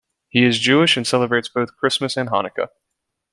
He is Jewish, and celebrates both Christmas and Hanukkah.